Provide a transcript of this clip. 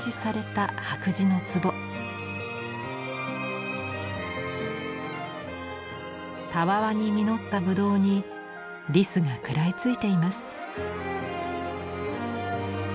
たわわに実ったぶどうにリスが食らいついています。